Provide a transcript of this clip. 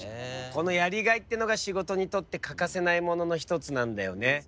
このやりがいっていうのが仕事にとって欠かせないものの一つなんだよね。